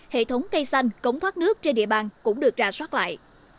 hệ thống cây xanh cống thoát nước trên địa bàn cũng được ra soát lại